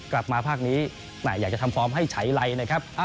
กลับมาภาคนี้อยากจะทำฟอร์มให้ไฉไลนะครับ